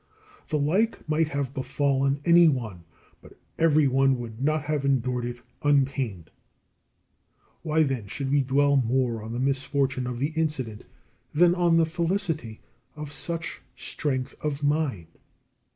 The like might have befallen any one; but every one would not have endured it unpained. Why, then, should we dwell more on the misfortune of the incident than on the felicity of such strength of mind?